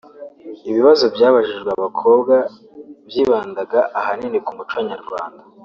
Ibibazo byabajijwe abakobwa byibandaga ahanini ku muco nyarwanda